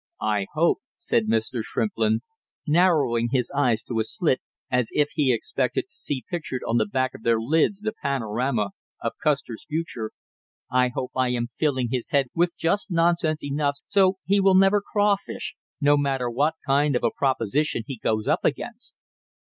"I hope," said Mr. Shrimplin, narrowing his eyes to a slit, as if he expected to see pictured on the back of their lids the panorama of Custer's future, "I hope I am filling his head with just nonsense enough so he will never crawfish, no matter what kind of a proposition he goes up against!"